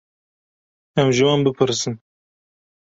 Em ji wan bipirsin.